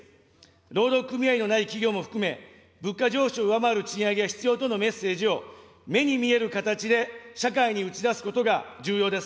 労働組合のない企業も含め、物価上昇を上回る賃上げが必要とのメッセージを目に見える形で社会に打ち出すことが重要です。